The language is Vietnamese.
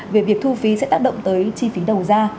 về việc thu phí sẽ tác động tới chi phí đầu ra